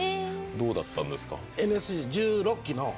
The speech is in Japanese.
どうだったんですか？